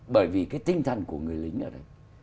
bởi vì cái tinh thần của người lính ở đây